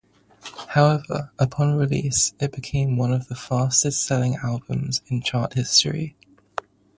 However, upon release it became one of the fastest selling albums in chart history.